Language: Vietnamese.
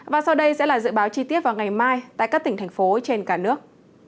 và sau đây sẽ là dự báo chi tiết vào ngày mai tại các tỉnh thành phố trên cả nước